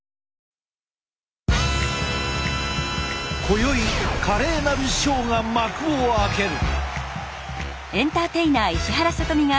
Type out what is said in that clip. こよい華麗なるショーが幕を開ける。